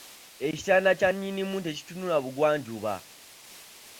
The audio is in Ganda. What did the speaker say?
Ekitanda kya nnyinimu tekitunula bugwanjuba.